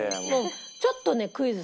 ちょっとねクイズ